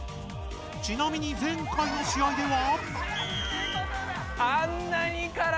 ちなみに前回の試合では。